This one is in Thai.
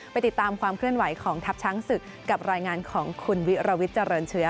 ไปติดตามความเคลื่อนไหวของทัพช้างศึกกับรายงานของคุณวิรวิทย์เจริญเชื้อ